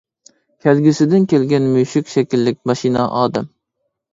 كەلگۈسىدىن كەلگەن مۈشۈك شەكىللىك ماشىنا ئادەم.